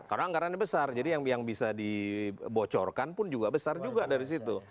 karena anggarannya besar jadi yang bisa dibocorkan pun juga besar juga dari situ